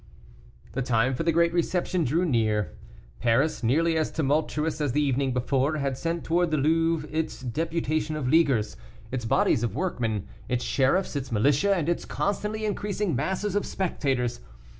The time for the great reception drew near. Paris, nearly as tumultuous as the evening before, had sent towards the Louvre its deputation of leaguers, its bodies of workmen, its sheriffs, its militia, and its constantly increasing masses of spectators.